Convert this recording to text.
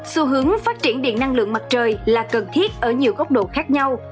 xu hướng phát triển điện năng lượng mặt trời là cần thiết ở nhiều góc độ khác nhau